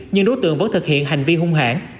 nhưng đối tượng vẫn thực hiện hành vi hung hãn